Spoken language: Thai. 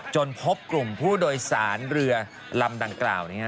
พบกลุ่มผู้โดยสารเรือลำดังกล่าว